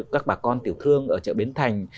các bà con tiểu thương ở chợ bến thành